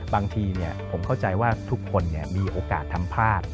บางทีผมเข้าใจว่าทุกคนมีโอกาสทำพลาด